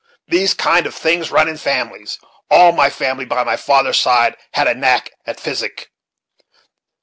These kind of things run in families. All my family by my father's side had a knack at physic.